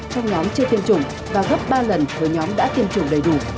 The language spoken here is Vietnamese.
trong nhóm chưa tiêm chủng và gấp ba lần với nhóm đã tiêm chủng đầy đủ